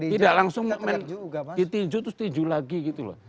tidak langsung ditinju terus tinju lagi gitu loh